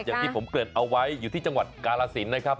อย่างที่ผมเกิดเอาไว้อยู่ที่จังหวัดกาลสินนะครับ